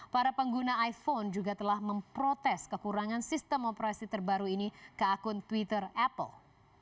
para pengguna iphone juga telah memprotes kekurangan sistem operasi terbaru ini ke akun twitter apple